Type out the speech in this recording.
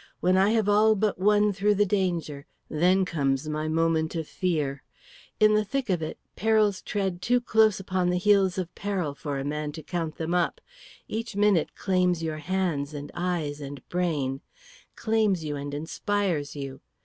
"When I have all but won through the danger, then comes my moment of fear. In the thick of it, perils tread too close upon the heels of peril for a man to count them up. Each minute claims your hands and eyes and brain, claims you and inspires you.